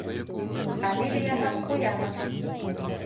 Фамилияһы Ҡуянов.